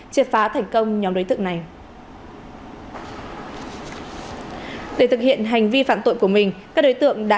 triệt phá thành công nhóm đối tượng này để thực hiện hành vi phạm tội của mình các đối tượng đã